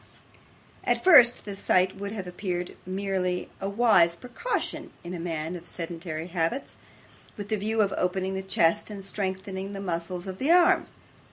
At first sight, this would have appeared merely a wise precaution in a man of sedentary habits, with the view of opening the chest and strengthening the muscles of the arms.